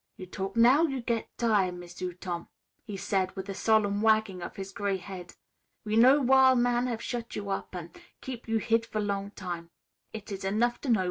"You talk now, you get tire', M'sieu' Tom," he said with a solemn wagging of his gray head. "We know wil' man have shut you up an' keep you hid for long time. It is enough to know.